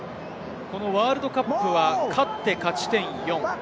ワールドカップは勝って勝ち点４。